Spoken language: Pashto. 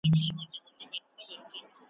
یو څو نومونه څو جنډۍ د شهیدانو پاته ,